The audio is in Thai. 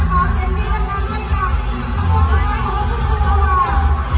ต่อไปค่ะกระโปรดสิงค์กับน้องชีน่านะคะ